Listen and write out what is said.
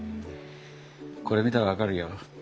これ見たら分かるよ。